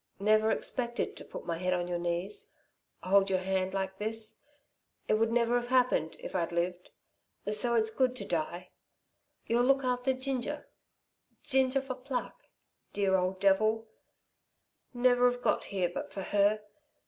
"Never expected to put my head on your knees hold your hand like this. It would never have happened, if I'd lived, so it's good to die. You'll look after Ginger 'ginger for pluck' dear old devil never 've got here but for her.